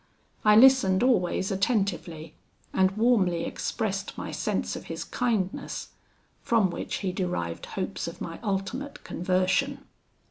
I listened always attentively; and warmly expressed my sense of his kindness, from which he derived hopes of my ultimate conversion.